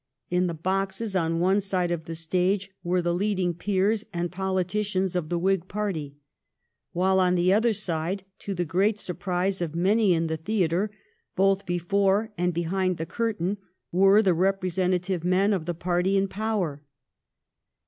In the boxes on one side of the stage were the leading peers and politicians of the Whig party, while on the other side, to the great surprise of many in the theatre, both before and behind the curtain, were the representative men of the party in power.